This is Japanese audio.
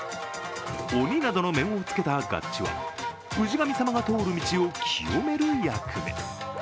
鬼などの面をつけたガッチは氏神様が通る道を清める役目。